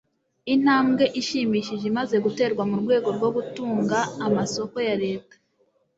intambwe ishimishije imaze guterwa mu rwego rwo gutunga amasoko ya leta